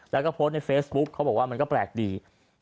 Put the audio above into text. แล้วก็โพสต์ในเฟซบุ๊คเขาบอกว่ามันก็แปลกดี